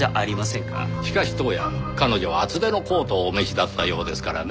しかし当夜彼女は厚手のコートをお召しだったようですからねぇ。